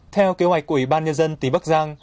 theo kế hoạch của ủy ban nhân dân tỉnh bắc giang